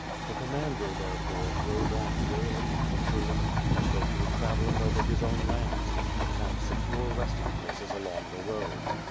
The Commander therefore,, rode on gayly, leisurely, as though he were travelling over his own lands, and found se cure resting places along the road.